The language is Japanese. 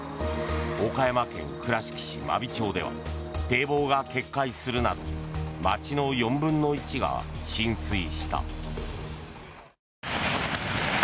岡山県倉敷市真備町では堤防が決壊するなど町の４分の１が浸水した。